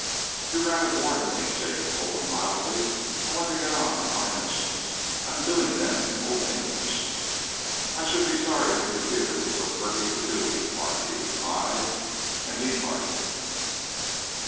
"You're rather boring me," Jacob told him mildly. "I want to get on with my initials. I'm doing them in Old English." "I should be sorry to interfere with so courteous a duty," the Marquis replied and departed.